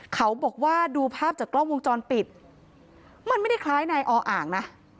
เขาบอกว่าดูภาพจากกล้องวงจรปิดมันไม่ได้คล้ายนายออ่างนะ